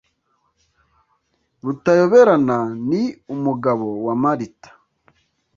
Rutayoberana ni um ugabo wa marita